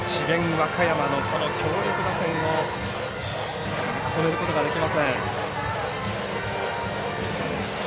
和歌山のこの強力打線をなかなか止めることができません。